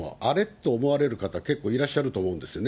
と思われる方、結構いらっしゃると思うんですよね。